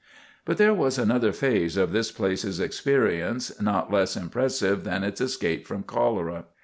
But there was another phase of this place's experience not less impressive than its escape from cholera.